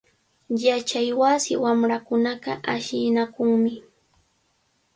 Yachaywasi wamrakunaqa ashllinakunmi.